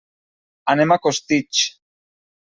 Anem a Costitx.